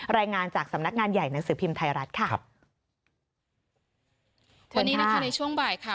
รายงานจากสำนักงานใหญ่หนังสือพิมพ์ไทยรัฐค่ะครับวันนี้นะคะในช่วงบ่ายค่ะ